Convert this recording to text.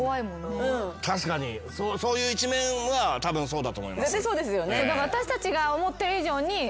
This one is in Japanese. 確かにそういう一面はたぶんそうだと思います。